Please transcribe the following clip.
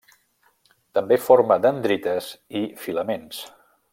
També forma dendrites i filaments.